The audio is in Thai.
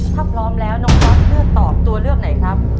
ถ้าพร้อมแล้วน้องก๊อตเลือกตอบตัวเลือกไหนครับ